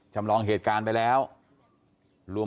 จำลองเหตุการณ์ไปแล้ว